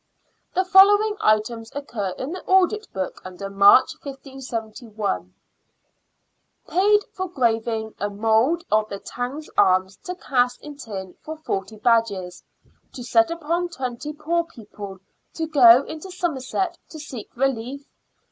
The following items occur in the audit book under March, 1571 :—" Paid for graving a mould of the town's arms to cast in tin for 40 badges, to set upon 20 poor people to go into Somerset to seek relief, 2s.